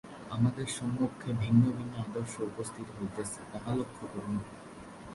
আমাদের সম্মুখে ভিন্ন ভিন্ন আদর্শ উপস্থিত হইতেছে, তাহা লক্ষ্য করুন।